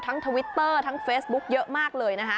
ทวิตเตอร์ทั้งเฟซบุ๊คเยอะมากเลยนะคะ